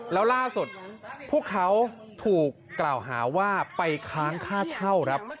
แล้วล่าสุดพวกเขาถูกกล่าวหาว่าไปค้างค่าเช่าครับ